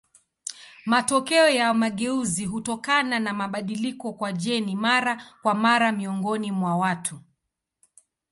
Matokeo ya mageuzi hutokana na mabadiliko kwa jeni mara kwa mara miongoni mwa watu.